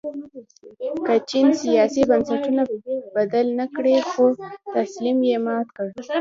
که چین سیاسي بنسټونه بدل نه کړل خو طلسم یې مات کړ.